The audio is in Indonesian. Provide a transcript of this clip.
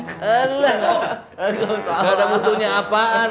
gak ada mutunya apaan